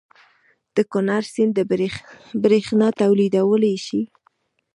د کنړ سیند بریښنا تولیدولی شي؟